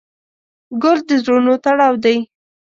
ګل د زړونو تړاو دی.